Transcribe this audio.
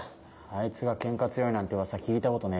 あいつがケンカ強いなんて噂聞いたことねえ。